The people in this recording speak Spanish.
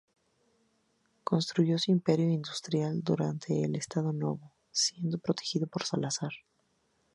Construyó su imperio industrial durante el Estado Novo, siendo protegido por Salazar.